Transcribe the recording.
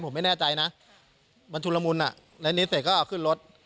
ผมไม่แน่ใจนะมันชุลมุนในนี้เสร็จก็เอาขึ้นรถ